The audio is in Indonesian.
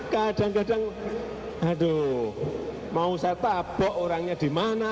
kadang kadang aduh mau saya tabok orangnya di mana